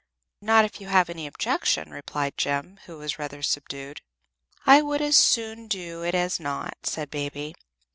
"Not if you have any objection," replied Jem, who was rather subdued. "I would as soon do it as not," said Baby.